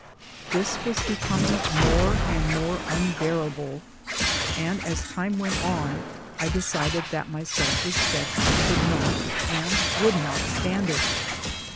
This was becoming more and 72 THE SOUL OF AN IMMIGRANT more unbearable, and as time went on I decided that my self respect could not and would not stand it.